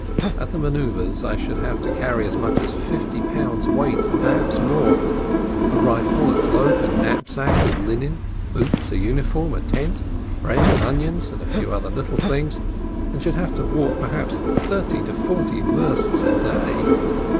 At the mano3uvres I should have to carry as much as fifty pounds' weight, and perhaps more: a rifle, a cloak, a knapsack with linen, boots, a uniform, a tent, bread, and onions, and a few other little things, and should have to walk perhaps thirty to forty versts a day.